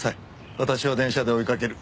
私は電車で追いかける。